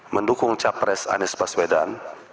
mendukung capres anies baswedan